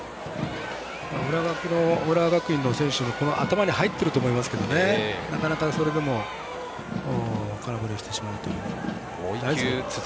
浦和学院の選手もこれは頭に入ってると思いますがなかなかそれでも空振りをしてしまうという。